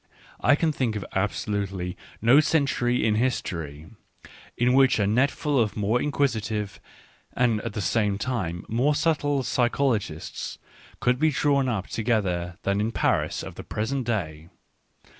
I can think of absolutely no century in history, in which a netful of more inquisitive and at the same time more subtle psychologists could be drawn up together than in the Paris of the present day.